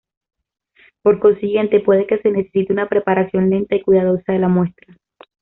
Por consiguiente, puede que se necesite una preparación lenta y cuidadosa de la muestra.